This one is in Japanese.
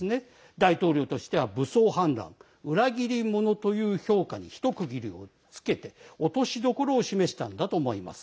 大統領としては武装反乱、裏切り者という評価に一区切りをつけて落としどころを示したんだと思います。